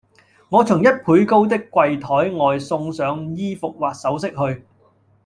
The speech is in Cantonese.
我從一倍高的櫃臺外送上衣服或首飾去，